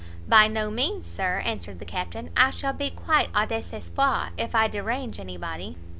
"By no means, Sir," answered the Captain; "I shall be quite au desespoir if I derange any body."